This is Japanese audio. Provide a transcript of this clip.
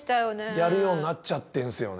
やるようになっちゃってるんですよね。